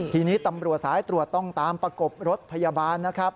ทีนี้ตำรวจสายตรวจต้องตามประกบรถพยาบาลนะครับ